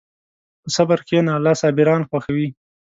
په صبر کښېنه، الله صابران خوښوي.